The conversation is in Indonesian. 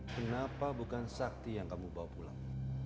kenapa bukan sakti yang kamu bawa pulang